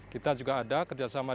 kita juga ada kerjasama